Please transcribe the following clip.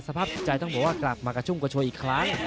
สภาพจิตใจต้องบอกว่ากลับมากระชุ่มกระชวยอีกครั้ง